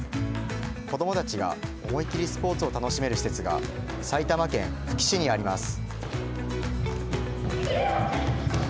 子どもたちが思い切りスポーツを楽しめる施設が埼玉県久喜市にあります。